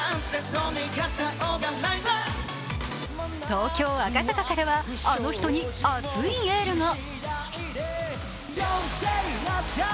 東京・赤坂からは、あの人に熱いエールが。